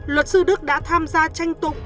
luật sư đức đã tham gia tranh tụng